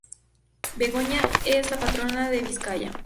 Begoña es la patrona de Vizcaya.